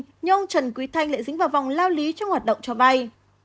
nhưng ông trần quý thanh lại dính vào vòng lao lý trong hoạt động cho vay